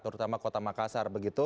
terutama kota makassar